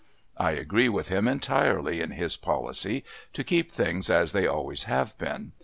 I agree with him entirely in his policy to keep things as they always have been.